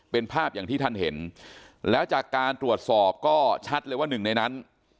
เป็นภาพอย่างที่ท่านเห็นแล้วจากการตรวจสอบก็ชัดเลยว่าหนึ่งในนั้น